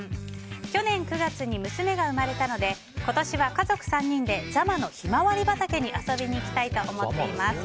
去年９月に娘が生まれたので今年は家族３人で座間のひまわり畑に遊びに行きたいと思っています。